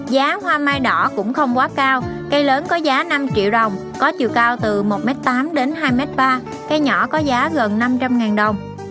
giá hoa mai đỏ cũng không quá cao cây lớn có giá năm triệu đồng có chiều cao từ một tám m đến hai ba m cây nhỏ có giá gần năm trăm linh ngàn đồng